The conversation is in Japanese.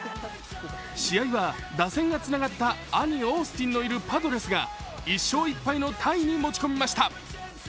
試合は打線がつながった兄・オースティンのいるパドレスが１勝１敗のタイに持ち込みました。